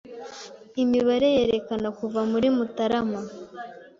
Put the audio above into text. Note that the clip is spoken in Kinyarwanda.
imibare yerekana kuva muri Mutarama